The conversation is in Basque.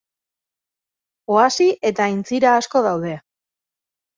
Oasi eta aintzira asko daude.